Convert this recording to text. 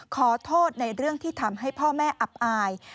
ขอโทษในเรื่องที่ทำให้พ่อแม่อับอาย